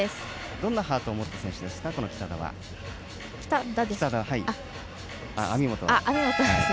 どんなハートを持った選手ですか、網本は。